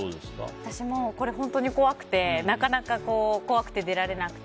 私もこれ本当に怖くてなかなか怖くて出られなくて。